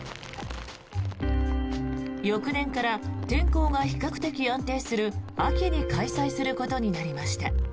翌年から、天候が比較的安定する秋に開催することになりました。